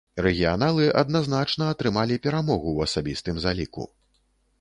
Рэгіяналы адназначна атрымалі перамогу ў асабістым заліку.